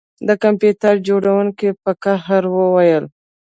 د کمپیوټر جوړونکي په قهر وویل